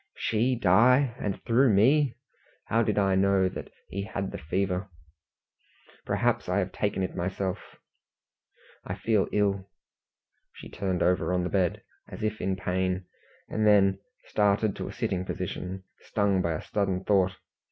"She die! and through me? How did I know that he had the fever? Perhaps I have taken it myself I feel ill." She turned over on the bed, as if in pain, and then started to a sitting position, stung by a sudden thought.